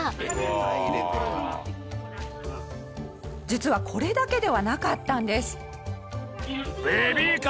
実はこれだけではなかったんです。